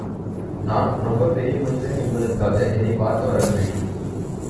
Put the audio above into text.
நான் ரொம்பப் பெரிய மனிதன் என்பதற்காக என்னைப் பார்க்க வரவில்லை.